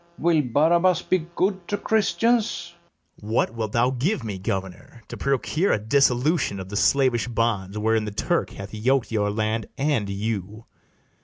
Will Barabas be good to Christians? BARABAS. What wilt thou give me, governor, to procure A dissolution of the slavish bands Wherein the Turk hath yok'd your land and you?